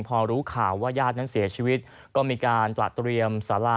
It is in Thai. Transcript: พอรู้ข่าวว่าญาตินั้นเสียชีวิตก็มีการตระเตรียมสารา